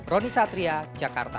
roni satria jakarta